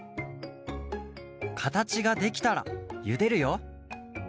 かたちができたらゆでるよ。